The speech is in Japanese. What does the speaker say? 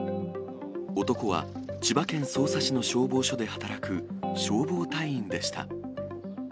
男は千葉県匝瑳市の消防署で働く消防隊員でした。